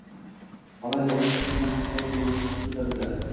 Malayziya universiteti bilan hamkorlik yangi bosqichga ko‘tarilading